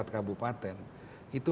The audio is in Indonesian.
empat puluh empat kabupaten itu